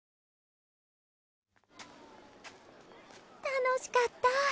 楽しかった。